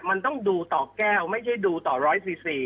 มันต้องดูต่อแก้วไม่ใช่ดูต่อร้อยสี่สี่